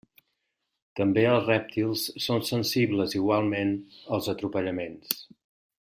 També els rèptils són sensibles igualment als atropellaments.